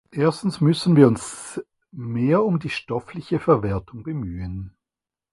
Erstens müssen wir uns mehr um die stoffliche Verwertung bemühen.